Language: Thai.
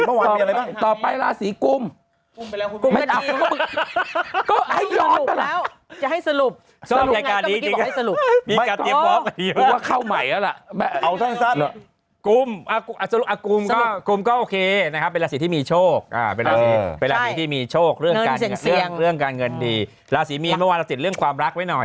ไม่รู้เขาเป็นแฟนกันรึไม่